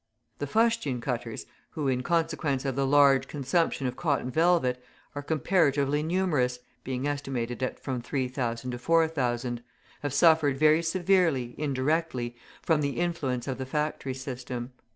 The fustian cutters, who, in consequence of the large consumption of cotton velvet, are comparatively numerous, being estimated at from 3,000 to 4,000, have suffered very severely, indirectly, from the influence of the factory system.